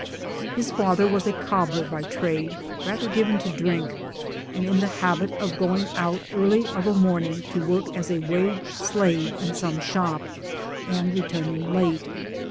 His father was a cobbler by trade rather given to drink, and in the habit of going out early of a morning to work as a wage slave in some shop 1 , and returning late.